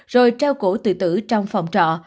rồi trao cổ tự tử trong phòng trọ